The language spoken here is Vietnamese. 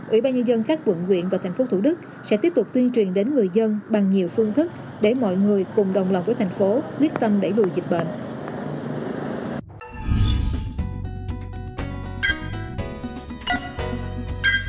ủy ban nhân dân các quận huyện và thành phố thủ đức sẽ tiếp tục tuyên truyền đến người dân bằng nhiều phương thức để mọi người cùng đồng lòng với thành phố quyết tâm đẩy lùi dịch bệnh